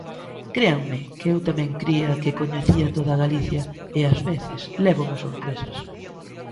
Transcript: Créanme que eu tamén cría que coñecía toda Galicia e ás veces lévome sorpresas.